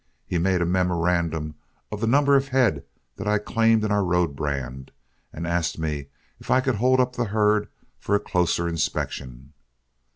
He made a memorandum of the number of head that I claimed in our road brand, and asked me if we could hold up the herd for a closer inspection.